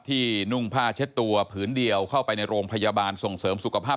นุ่งผ้าเช็ดตัวผืนเดียวเข้าไปในโรงพยาบาลส่งเสริมสุขภาพ